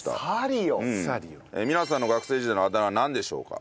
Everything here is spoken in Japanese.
皆さんの学生時代のあだ名はなんでしょうか？